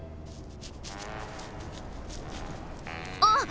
あっ！